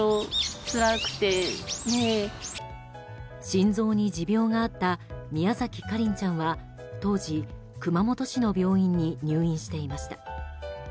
心臓に持病があった宮崎花梨ちゃんは当時、熊本市の病院に入院していました。